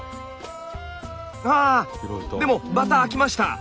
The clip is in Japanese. でもまた開きました。